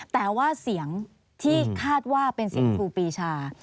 แต่ว่าเสียงที่คาดว่าเป็นเสียงครูปีชา